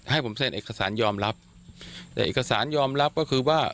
ให้ผมเซ็นเอกสารยอมรับแต่เอกสารยอมรับก็คือว่า